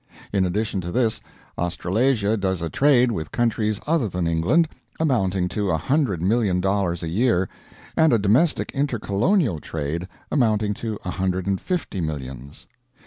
In addition to this, Australasia does a trade with countries other than England, amounting to a hundred million dollars a year, and a domestic intercolonial trade amounting to a hundred and fifty millions.